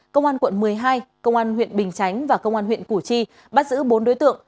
công an quận một mươi hai công an huyện bình chánh và công an huyện củ chi bắt giữ bốn đối tượng